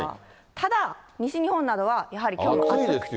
ただ、西日本などは、やはりきょう暑くて。